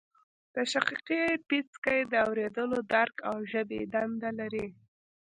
د شقیقې پیڅکی د اوریدلو درک او ژبې دنده لري